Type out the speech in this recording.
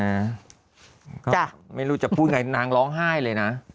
ไม่รู้จะพูดไงนางร้องไห้เลยนะ